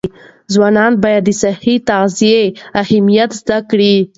ځوانان باید د صحي تغذیې اهمیت زده کړي.